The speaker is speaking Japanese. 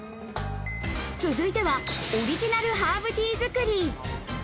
続いてはオリジナルハーブティー作り。